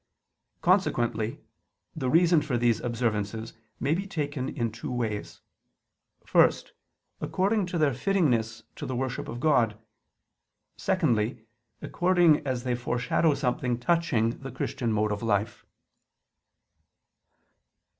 Consequently the reasons for these observances may be taken in two ways, first according to their fittingness to the worship of God; secondly, according as they foreshadow something touching the Christian mode of life.